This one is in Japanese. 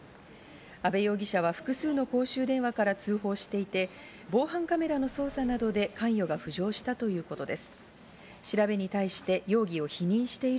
阿部容疑者は複数の公衆電話から通報していて防犯カメラの捜査などで関与が浮上したということです。